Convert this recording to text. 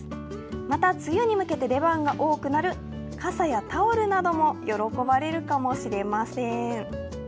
また梅雨に向けて出番が多くなる傘やタオルなども喜ばれるかもしれません。